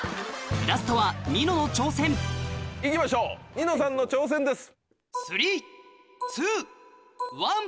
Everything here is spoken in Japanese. ラストは行きましょうニノさんの挑戦です。